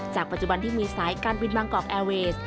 ปัจจุบันที่มีสายการบินบางกอกแอร์เวส